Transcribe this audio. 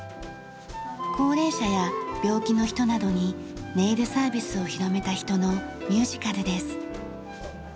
高齢者や病気の人などにネイルサービスを広めた人のミュージカルです。